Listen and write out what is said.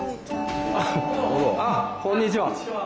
あっこんにちは。